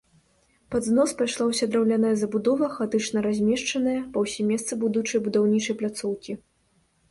Пад знос пайшла ўся драўляная забудова, хаатычна размешчаная па ўсім месцы будучай будаўнічай пляцоўкі.